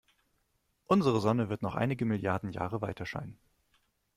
Unsere Sonne wird noch einige Milliarden Jahre weiterscheinen.